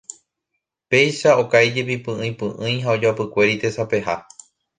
Péicha okáijepi py'ỹipy'ỹi ha ojoapykuéri tesapeha.